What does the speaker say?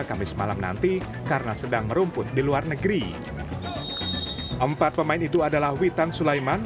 kamis malam nanti karena sedang merumput di luar negeri empat pemain itu adalah witan sulaiman